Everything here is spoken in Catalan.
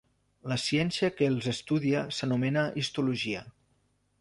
La ciència que els estudia s'anomena histologia.